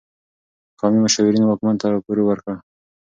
قومي مشاورین واکمن ته راپور ورکړ.